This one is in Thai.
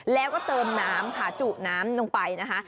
แล้วก็เติมน้ำค่ะจุน้ำลงไปนะคะ